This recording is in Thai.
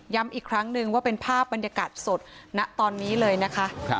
อีกครั้งนึงว่าเป็นภาพบรรยากาศสดณตอนนี้เลยนะคะ